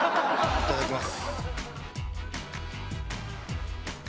いただきます。